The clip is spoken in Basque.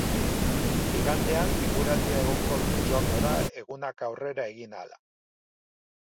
Igandean, eguraldia egonkortuz joango da egunak aurrera egin ahala.